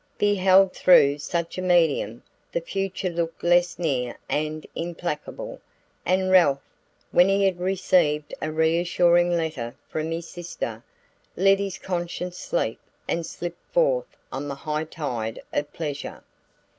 Beheld through such a medium the future looked less near and implacable, and Ralph, when he had received a reassuring letter from his sister, let his conscience sleep and slipped forth on the high tide of pleasure.